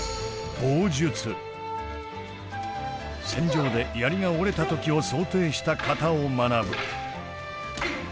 戦場で槍が折れた時を想定した型を学ぶ。